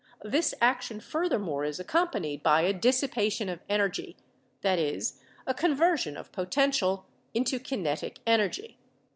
This action furthermore is accompanied by a dissipation of energy — that is, a conversion of potential into kinetic energy.